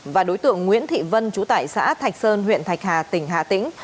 và đối tượng nguyễn thị vân chú tải xã thạch sơn huyện thạch hà tỉnh hà tĩnh